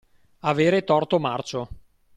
Avere torto marcio.